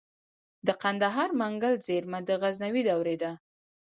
د کندهار منگل زیرمه د غزنوي دورې ده